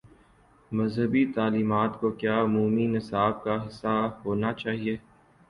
مذہبی تعلیمات کو کیا عمومی نصاب کا حصہ ہو نا چاہیے؟